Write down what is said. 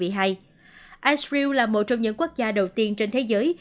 istram là một trong những quốc gia đầu tiên trên thế giới